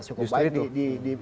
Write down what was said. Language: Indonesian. sudah cukup baik